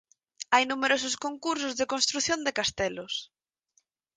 Hai numerosos concursos de construción de castelos.